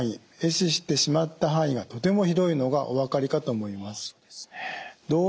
死してしまった範囲がとても広いのがお分かりかと思います。